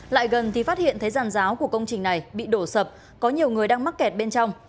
lại gần thì phát hiện thấy giàn giáo của công trình này bị đổ sập có nhiều người đang mắc kẹt bên trong